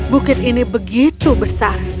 bukit ini begitu besar